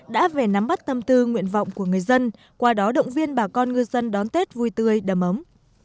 đã về nắm bắt tâm tư nguyện vọng của người dân qua đó động viên bà con ngư dân đón tết vui tươi đầm ấm